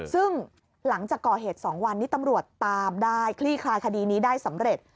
ซึ่งหลังจากก่อเหตุ๒วันนี้ตำรวจตามได้คลี่คลายคดีนี้ได้สำเร็จ